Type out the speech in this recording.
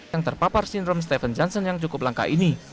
yang terpapar sindrom stephen johnson yang cukup langka ini